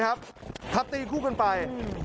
ครับพับตีคู่กันไป